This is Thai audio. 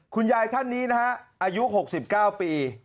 คุณยายท่านนี้นะฮะอายุ๖๙ปี